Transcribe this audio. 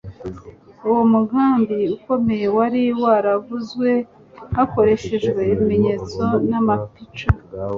Uwo mugambi ukomeye wari waravuzwe hakoreshejwe ibimenyetso n'amapica.